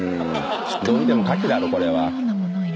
どう見ても牡蠣だろこれは。